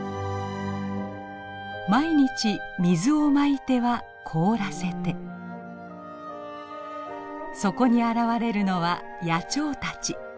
毎日水をまいては凍らせてそこに現れるのは野鳥たち。